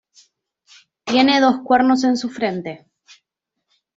Tiene dos cuernos en su frente.